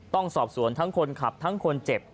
ต้องสอบสวนทั้งคนขับทั้งคนเจ็บ